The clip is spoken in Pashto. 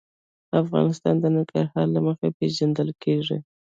افغانستان د ننګرهار له مخې پېژندل کېږي.